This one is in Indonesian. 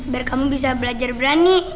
biar kamu bisa belajar berani